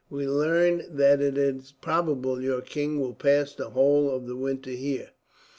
We learn that it is probable your king will pass the whole of the winter here."